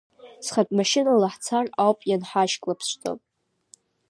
Схатә машьынала ҳцар ауп ианҳашьклаԥшӡо.